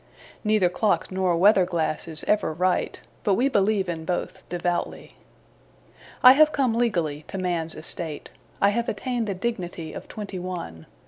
Neither clock nor weather glass is ever right; but we believe in both, devoutly. I have come legally to man's estate. I have attained the dignity of twenty one.